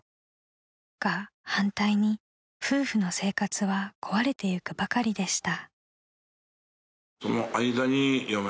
［が反対に夫婦の生活は壊れてゆくばかりでした］